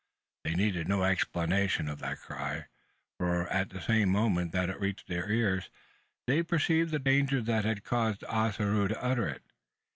They needed no explanation of that cry; for at the same moment that it reached their ears, they perceived the danger that had caused Ossaroo to utter it.